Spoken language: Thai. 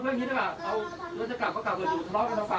เอานะคะ